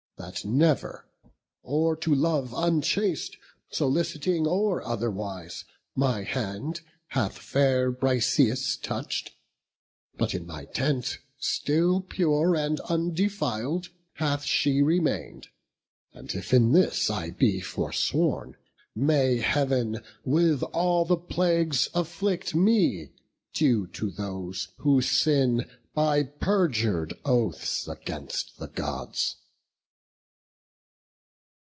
that never, or to love unchaste Soliciting, or otherwise, my hand Hath fair Briseis touch'd; but in my tent Still pure and undefil'd hath she remain'd: And if in this I be forsworn, may Heav'n With all the plagues afflict me, due to those Who sin by perjur'd oaths against the Gods."